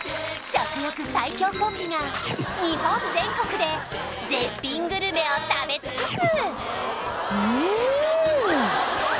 食欲最強コンビが日本全国で絶品グルメを食べ尽くす！